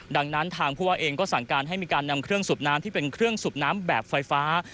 ดังนั้นทางผู้ว่าเองก็สั่งการให้มีการนำเครื่องสูบน้ำที่เป็นเครื่องสูบน้ำแบบไฟฟ้า